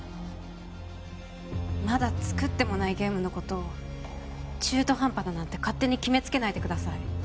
まだ作ってもないゲームのことを中途半端だなんて勝手に決めつけないでください